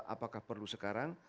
apakah perlu sekarang